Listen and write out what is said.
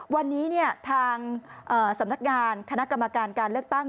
วันนี้ทางสำนักงานคณะกรรมการการเลือกตั้ง